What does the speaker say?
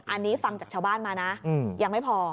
อันนี้ฟังจากชาวบ้านมานะยังไม่พอ